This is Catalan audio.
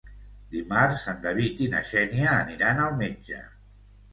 Dimarts en David i na Xènia aniran al metge.